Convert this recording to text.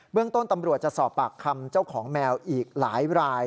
เรื่องต้นตำรวจจะสอบปากคำเจ้าของแมวอีกหลายราย